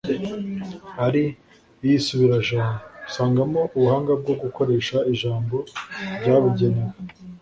ari iy’isubirajambo; usangamo ubuhanga bwo gukoresha ijambo ryabugenewe;